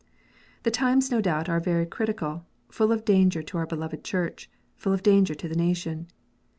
The times no doubt are very critical, full of danger to our beloved Church, full of danger to the nation.